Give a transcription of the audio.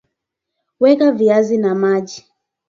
Weka viazi na maji